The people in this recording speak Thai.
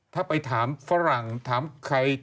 ถ้าไปถามฝรั่งถามใคร